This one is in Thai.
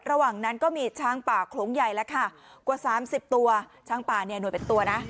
ระหว่างนั้นก็มีช้างป่าโขลงใหญ่แล้วค่ะกว่าสามสิบตัวช้างป่าเนี่ยหน่วยเป็นตัวนะ